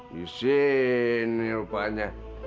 di sini rupanya